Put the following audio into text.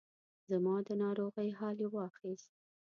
زما د ناروغۍ حال یې واخیست.